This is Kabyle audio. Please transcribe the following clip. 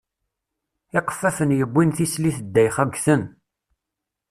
Iqeffafen yuwin tislit ddayxa ggten.